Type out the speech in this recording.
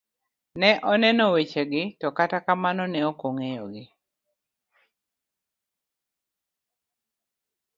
Ne oneno wechegi to kata kamano ne ok okeyo gi.